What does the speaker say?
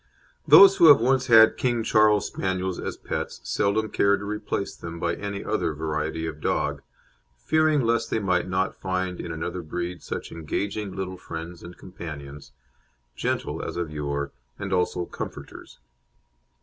Those who have once had King Charles Spaniels as pets seldom care to replace them by any other variety of dog, fearing lest they might not find in another breed such engaging little friends and companions, "gentle" as of yore and also "comforters."